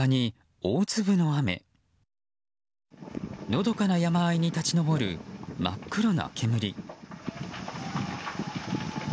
のどかな山あいに立ち上る真っ黒な煙。